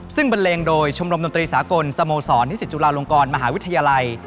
ซึ่งบันเลงโดยชมรมดนตรีสากลสโมสรนิสิตจุฬาลงกรมหาวิทยาลัย